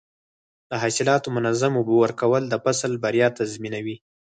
د حاصلاتو منظم اوبه ورکول د فصل بریا تضمینوي.